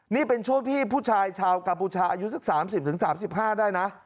นี่เป็นช่วงที่ผู้ชายชาวกัมพูชาอายุสัก๓๐๓๕ได้นะ